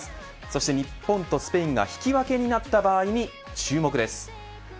そして日本とスペインが引き分けになった場合に注目です。